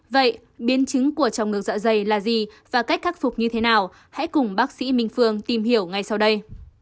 vậy biến chứng của trọng đường dạ dày là gì và cách khắc phục như thế nào hãy cùng bác sĩ minh phương tìm hiểu ngay sau đây